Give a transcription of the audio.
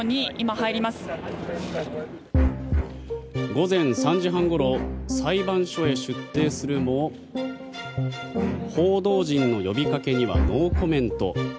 午前３時半ごろ裁判所へ出廷するも報道陣の呼びかけにはノーコメント。